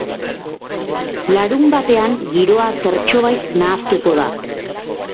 Larunbatean giroa zertxobait nahastuko da.